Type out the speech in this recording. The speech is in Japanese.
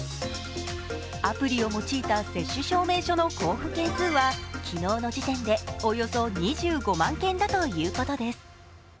アプリを用いた接種証明書の交付件数は昨日の時点でおよそ２５万件だということです。